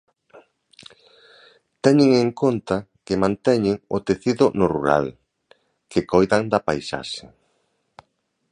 Teñen en conta que manteñen o tecido no rural, que coidan da paisaxe...